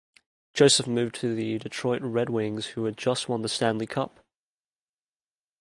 Joseph moved to the Detroit Red Wings, who had just won the Stanley Cup.